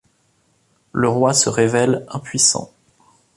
Le roi se révèle impuissant.